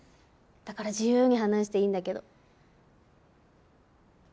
だから自由に話していいんだけど。